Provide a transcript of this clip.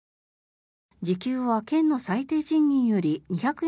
時給は県の最低賃金より２００円